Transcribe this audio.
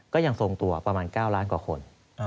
ก็ยังทรงตัวประมาณ๙ล้านกว่าคน